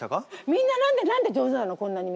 みんな何で何で上手なの？